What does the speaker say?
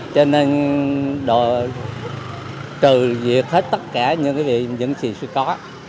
cho nên trừ việc hết tất cả những gì sẽ có